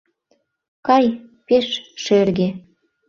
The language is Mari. Кай, пеш шерге.